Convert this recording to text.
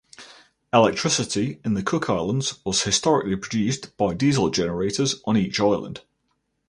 Electricity in the Cook Islands was historically produced by diesel generators on each island.